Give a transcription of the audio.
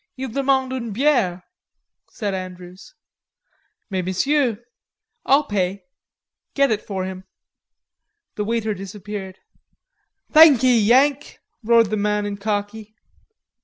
"Il demande une biere," said Andrews. "Mais Monsieur...." "I'll pay. Get it for him." The waiter disappeared. "Thankee, Yank," roared the man in khaki.